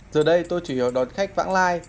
giờ đây tôi chủ yếu đón khách vãng lai